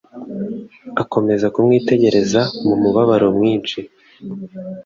Akomeza kumwitegereza, mu mubabaro mwinshi,